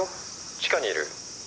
地下にいる」